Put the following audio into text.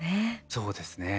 そうですね。